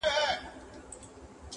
چي لاس و درېږي، خوله درېږي.